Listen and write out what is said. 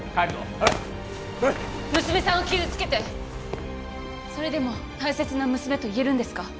ほらほら娘さんを傷つけてそれでも「大切な娘」と言えるんですか？